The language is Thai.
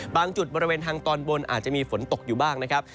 จุดบริเวณทางตอนบนอาจจะมีฝนตกอยู่บ้างนะครับ